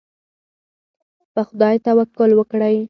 په خدای توکل وکړئ.